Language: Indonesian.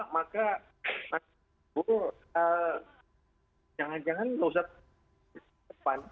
maka jangan jangan usah ke depan